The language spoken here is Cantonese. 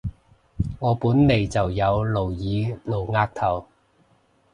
我本來就有露耳露額頭